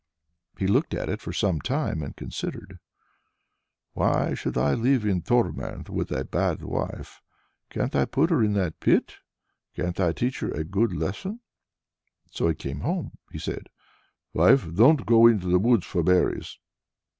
He looked at it for some time and considered, "Why should I live in torment with a bad wife? can't I put her into that pit? can't I teach her a good lesson?" So when he came home, he said: "Wife, don't go into the woods for berries."